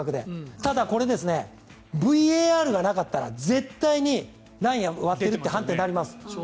ただ、これＶＡＲがなかったら絶対にラインを割っているっていう判定になります。